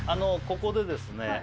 ここでですね